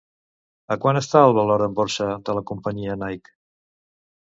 A quant està el valor en borsa de la companyia Nike?